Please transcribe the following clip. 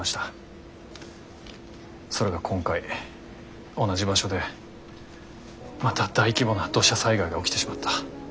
それが今回同じ場所でまた大規模な土砂災害が起きてしまった。